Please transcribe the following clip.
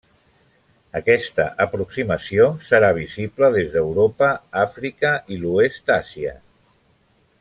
Aquesta aproximació serà visible des d'Europa, Àfrica i l'oest d'Àsia.